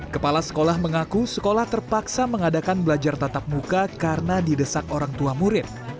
kepala sekolah mengaku sekolah terpaksa mengadakan belajar tatap muka karena didesak orang tua murid